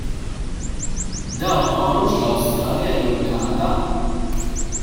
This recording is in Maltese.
Dawn ma marrux l-Awstralja jew il-Kanada.